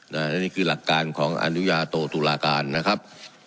และนี่คือหลักการของอนุญาโตตุลาการนะครับ